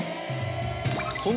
その。